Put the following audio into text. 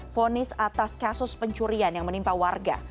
fonis atas kasus pencurian yang menimpa warga